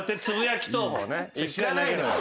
知らないのよ。